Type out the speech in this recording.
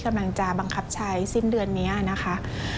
กำลังจะบังคับใช้สิ้นเดือนนี้นะคะ